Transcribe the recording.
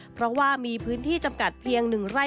เพราะว่ามีพื้นที่จำกัดเพียง๑ไร่